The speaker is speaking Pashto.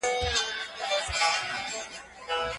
ویلي وای په